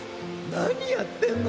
なにやってんの？